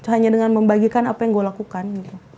hanya dengan membagikan apa yang gue lakukan